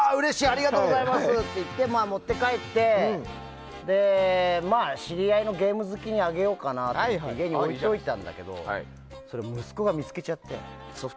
ありがとうございますって言って持って帰って知り合いのゲーム好きにあげようかなと思って家に置いておいたんだけどそれ息子が見つけちゃって。